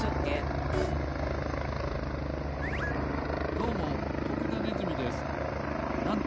どうも徳田ネズミです。